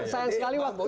sayang sekali waktu